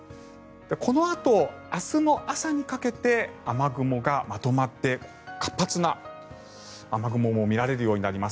このあと、明日の朝にかけて雨雲がまとまって活発な雨雲も見られるようになります。